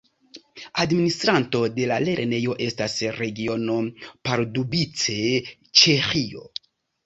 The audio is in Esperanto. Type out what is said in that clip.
Administranto de la lernejo estas Regiono Pardubice, Ĉeĥio.